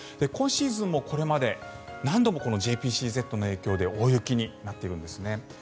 今シーズンもこれまで何度もこのＪＰＣＺの影響で大雪になっているんですね。